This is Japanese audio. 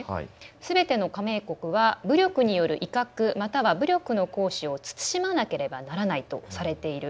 「すべての加盟国は武力による威嚇又は武力の行使を慎まなければならない」とされている。